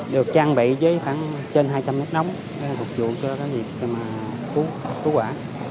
được trang bị với khoảng trên hai trăm linh mét nóng phục vụ cho việc cứu quả